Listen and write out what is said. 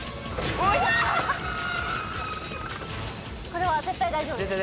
これは絶対大丈夫です。